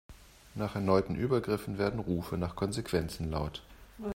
Nach erneuten Übergriffen werden Rufe nach Konsequenzen laut.